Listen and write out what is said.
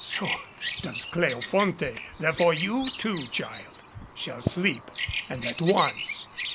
So does Cleofonte. Therefore, you, too, child, shall sleep and at once."